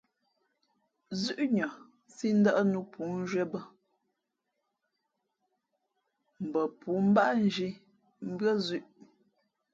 Zʉ́ʼnʉα sī ndα̌ʼ nǔ pʉ̌nzhwīē bᾱ, bᾱ pōōmbáʼ zhī mbʉ́ά zʉ̄ʼ.